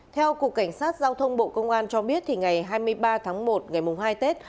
theo cục cảnh sát giao thông bộ công an cho biết ngày hai mươi ba tháng một ngày hai tết